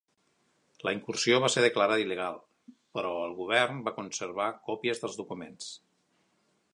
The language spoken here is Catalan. La incursió va ser declarada il·legal, però el govern va conservar còpies dels documents.